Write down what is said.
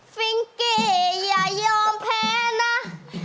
ฟิงกี้อย่ายอมแพ้นะ